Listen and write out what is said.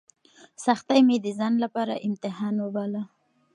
سختۍ مې د ځان لپاره امتحان وباله.